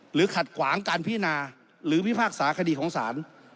ขัดขวางการพินาหรือพิพากษาคดีของศาล